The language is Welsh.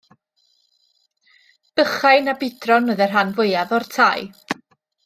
Bychain a budron oedd y rhan fwyaf o'r tai.